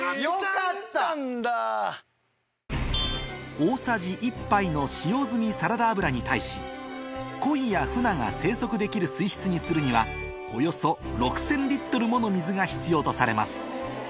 大さじ１杯の使用済みサラダ油に対しコイやフナが生息できる水質にするにはおよそ６０００もの水が必要とされます